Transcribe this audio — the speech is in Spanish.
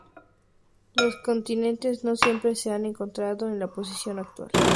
Los continentes no siempre se han encontrado en la posición actual.